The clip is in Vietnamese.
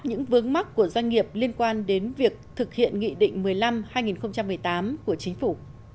những vướng mắt của doanh nghiệp liên quan đến việc thực hiện nghị định một mươi năm hai nghìn một mươi tám của chính phủ